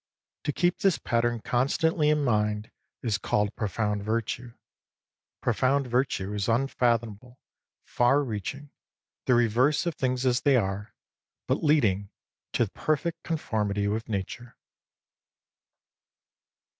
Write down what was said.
To keep this pattern constantly in mind is called Profound Virtue. Profound Virtue is unfathomable, far reaching, the reverse of things as they are, but leading to perfect conformity with Nature.